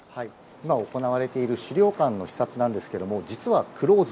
今、行われている資料館の視察なんですけれども、実はクローズ。